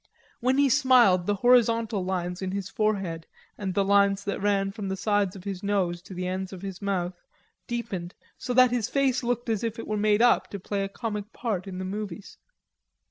When he smiled the horizontal lines in his forehead and the lines that ran from the sides of his nose to the ends of his mouth deepened so that his face looked as if it were made up to play a comic part in the movies.